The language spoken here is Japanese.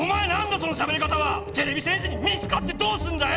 そのしゃべりかたは⁉てれび戦士に見つかってどうすんだよ